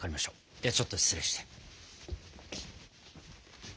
ではちょっと失礼して。